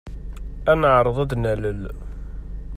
Ad neɛreḍ ad d-nalel.